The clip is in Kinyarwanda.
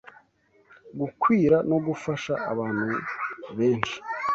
gukwira no gufasha abantu benshi